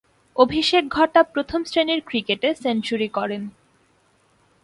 অভিষেক ঘটা প্রথম-শ্রেণীর ক্রিকেটে সেঞ্চুরি করেন।